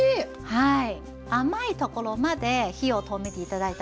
はい。